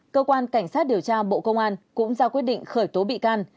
cơ quan cảnh sát điều tra bộ công an cũng ra quyết định khởi tố bị can